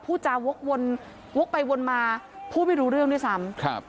จาวกวนวกไปวนมาพูดไม่รู้เรื่องด้วยซ้ำครับ